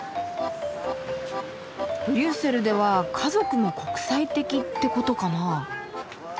ブリュッセルでは家族も国際的ってことかなあ。